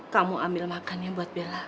kamu ambil makannya buat bella